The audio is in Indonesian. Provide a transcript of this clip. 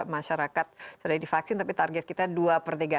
masyarakat sudah divaksin tapi target kita dua per tiga